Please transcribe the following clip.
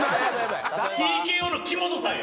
ＴＫＯの木本さんや！